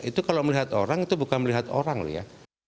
itu kalau melihat orang itu bukan melihat orang loh ya